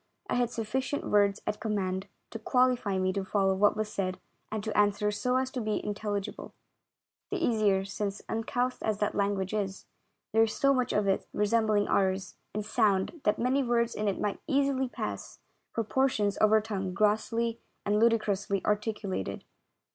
I had sufficient words at command to qualify me to follow what was said and to answer so as to be intelligible; the easier since, uncouth as that language is, there is so much of it resembling ours in sound that many words in it might easily pass for por tions of our tongue grossly and ludicrously articulated.